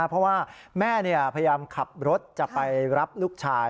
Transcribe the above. เพราะว่าแม่พยายามขับรถจะไปรับลูกชาย